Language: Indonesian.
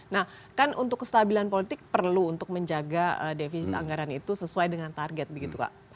nah kan untuk kestabilan politik perlu untuk menjaga defisit anggaran itu sesuai dengan target begitu pak